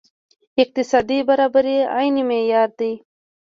اقتصادي برابري عیني معیار دی.